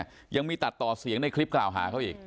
ยังมีตัดต่อเสียงในคลิปกล่าวหาเขาอีก